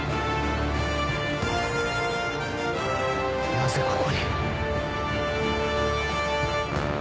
なぜここに。